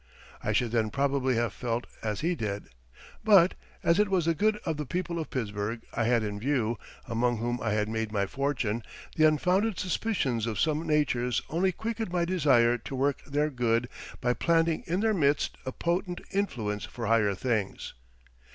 I should then probably have felt as he did. But, as it was the good of the people of Pittsburgh I had in view, among whom I had made my fortune, the unfounded suspicions of some natures only quickened my desire to work their good by planting in their midst a potent influence for higher things.